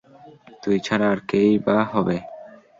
তুই ছাড়া আর কে-ই বা হবে!